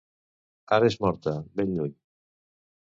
Ara és morta, ben lluny.